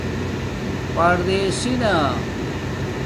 پردیسانہ